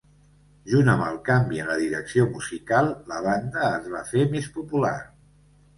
Junt amb el canvi en la direcció musical, la banda es va fer més popular.